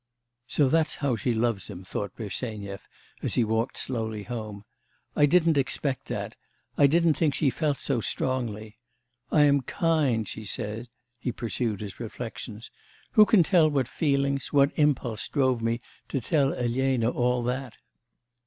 'So that's how she loves him,' thought Bersenyev, as he walked slowly home. 'I didn't expect that; I didn't think she felt so strongly. I am kind, she says:' he pursued his reflections:... 'Who can tell what feelings, what impulse drove me to tell Elena all that?